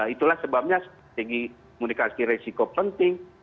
itulah sebabnya segi komunikasi resiko penting